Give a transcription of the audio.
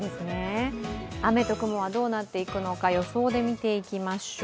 雨と雲はどうなっていくのか予想で見ていきましょう。